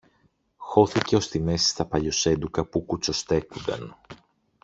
χώθηκε ως τη μέση στα παλιοσέντουκα που κουτσοστέκουνταν